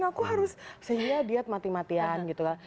aku harus sehingga diet mati matian gitu kan